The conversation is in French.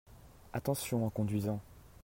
Attention en conduisant.